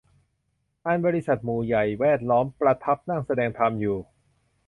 อันบริษัทหมู่ใหญ่แวดล้อมประทับนั่งแสดงธรรมอยู่